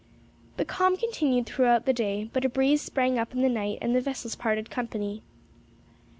The calm continued throughout the day but a breeze sprang up in the night and the vessels parted company.